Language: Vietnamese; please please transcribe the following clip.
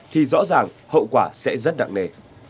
thì rõ ràng hậu quả sẽ rất đặng nề